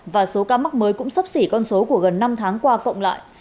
và số ca mắc mới cũng sắp xỉ con số của gần năm tháng qua cộng lại